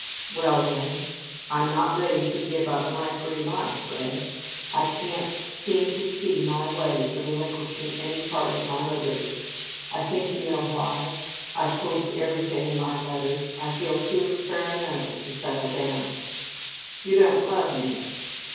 "Well, then, I'm not ready to give up my free life, Ray. I can't seem to see my way to relinquishing any part of my liberty. I think you know why. I've told you everything in my letters. I feel too experimental to settle down." "You don't love me!"